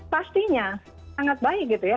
pastinya sangat baik gitu ya